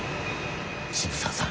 渋沢さん！